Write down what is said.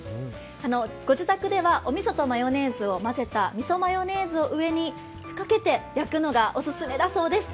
ご自宅ではおみそとマヨネーズを混ぜた、みそマヨネーズを上にかけて焼くのがオススメだそうです。